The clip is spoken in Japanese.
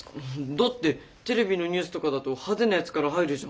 だってテレビのニュースとかだと派手なやつから入るじゃん。